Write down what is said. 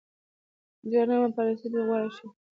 ډېره نرمه پالیسي دې غوره شي.